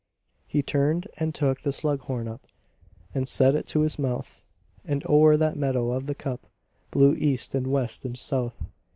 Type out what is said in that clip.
He turned and took the slug horn up, And set it to his mouth, And o'er that meadow of the cup Blew east and west and south.